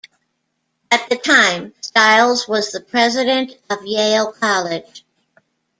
At the time, Stiles was the President of Yale College.